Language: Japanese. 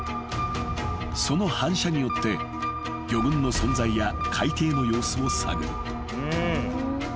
［その反射によって魚群の存在や海底の様子を探る］